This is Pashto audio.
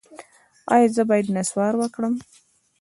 ایا زه باید نسوار وکړم؟